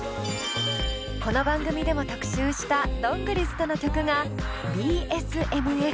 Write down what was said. この番組でも特集したどんぐりずとの曲が「Ｂ．Ｓ．Ｍ．Ｆ」。